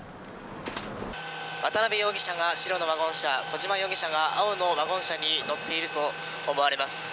渡辺容疑者が白のワゴン車小島容疑者が青のワゴン車に乗っていると思われます。